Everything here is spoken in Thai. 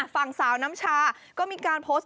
ฝั่งสาวน้ำชาก็มีการโพสต์